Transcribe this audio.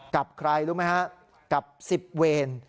กับใครรู้มั้ยฮะกับสิบเวน